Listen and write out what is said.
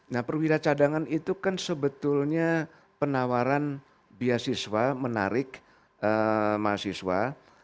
nah perwira cadangan itu kan sebetulnya penawaran beasiswa menarik mahasiswa